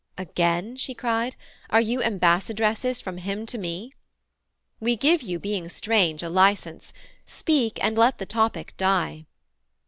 'Again?' she cried, 'are you ambassadresses From him to me? we give you, being strange, A license: speak, and let the topic die.'